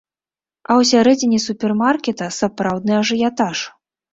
А ўсярэдзіне супермаркета сапраўдны ажыятаж.